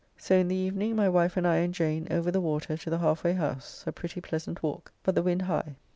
So in the evening, my wife and I and Jane over the water to the Halfway house, a pretty, pleasant walk, but the wind high.